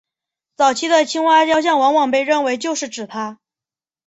早期的青蛙雕像往往被认为就是指她。